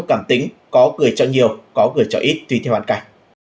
cảm ơn các bạn đã theo dõi và hẹn gặp lại